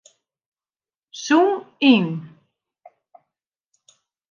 Zoom yn.